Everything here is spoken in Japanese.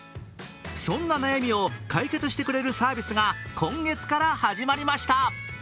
そんな悩みを解決してくれるサービスが今月から始まりました。